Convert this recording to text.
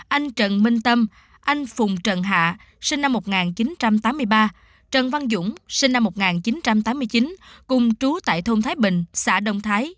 anh trần minh tâm anh phùng trần hạ sinh năm một nghìn chín trăm tám mươi ba trần văn dũng sinh năm một nghìn chín trăm tám mươi chín cùng trú tại thôn thái bình xã đông thái